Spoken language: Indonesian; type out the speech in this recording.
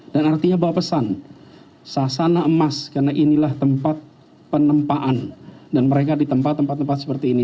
dan artinya bawa pesan sasana emas karena inilah tempat penempaan dan mereka di tempat tempat seperti ini